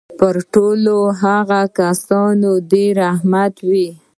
پر ټولو هغو کسانو دي رحمت وي.